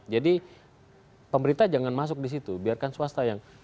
jadi pemerintah jangan masuk di situ biarkan swasta yang